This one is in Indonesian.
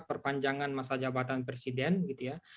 perpanjangan masa jabatan presiden gitu ya